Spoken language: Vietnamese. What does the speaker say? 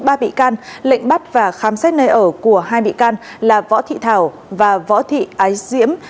ba bị can lệnh bắt và khám xét nơi ở của hai bị can là võ thị thảo và võ thị ái diễm